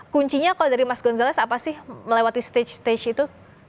kuncinya kalau dari mas gonzalez apa sih melewati stage stage itu